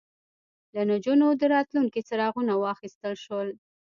له نجونو د راتلونکي څراغونه واخیستل شول